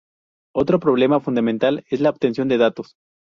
Otro problema fundamental es la obtención de datos.